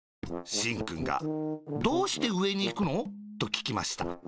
しんくんが「どうしてうえにいくの？」とききました。